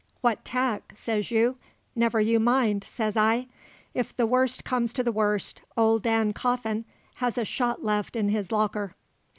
'What tack?' says you. 'Never you mind,' says I. If the worst comes to the worst, old Dan Coffin has a shot left in his locker."